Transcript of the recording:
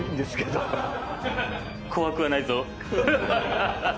怖くはないぞ。